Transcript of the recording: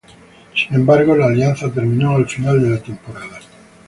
Sin embargo, la alianza terminó a final de la temporada.